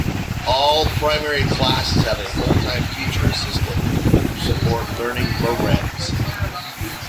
All primary classes have a full-time teacher assistant to support learning programmes.